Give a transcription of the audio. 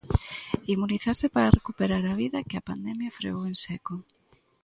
Inmunizarse para recuperar a vida que a pandemia freou en seco.